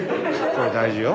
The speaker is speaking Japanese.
これ大事よ。